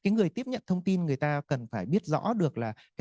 người tiếp nhận thông tin người ta cần phải biết rõ được là